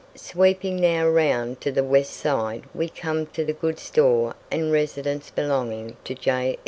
Sweeping now round to the west side we come to the good store and residence belonging to J.